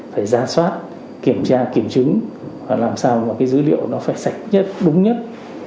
phải ra soát kiểm tra kiểm chứng và làm sao mà cái dữ liệu nó phải sạch nhất đúng nhất